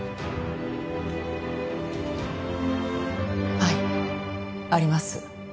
はいあります。